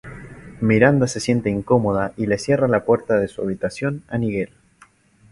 Miranda se siente incómoda y le cierra la puerta de su habitación a Nigel.